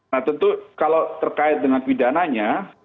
nah tentu kalau terkait dengan pidananya